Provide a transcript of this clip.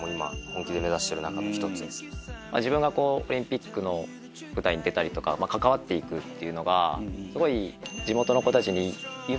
自分がオリンピックの舞台に出たりとか関わっていくっていうのがすごい。